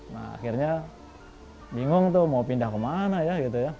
nah akhirnya bingung tuh mau pindah kemana ya